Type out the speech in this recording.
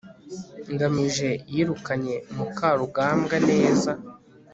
ngamije yirukanye mukarugambwa neza